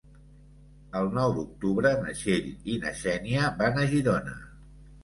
El nou d'octubre na Txell i na Xènia van a Girona.